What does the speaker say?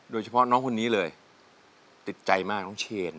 โดยเฉพาะน้องคนนี้เลยติดใจมากน้องเชน